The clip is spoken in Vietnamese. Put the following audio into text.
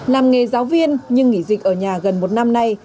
làm nghề giáo viên nhưng nghỉ dịch ở nhà gần một năm nay